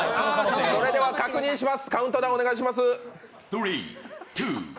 それでは確認します。